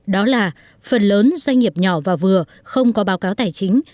đó là phần lớn doanh nghiệp nhỏ và vừa không có báo cáo tài chính